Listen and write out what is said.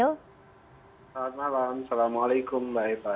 selamat malam assalamualaikum mbak eva